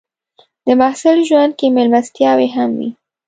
د محصل ژوند کې مېلمستیاوې هم وي.